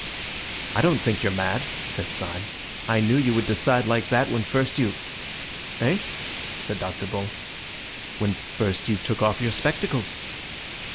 "I don't think you're mad," said Syme. "I knew you would decide like that when first you—" "Eh?" said Dr. Bull. "When first you took off your spectacles."